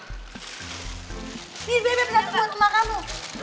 ini bebek satu buat mama kamu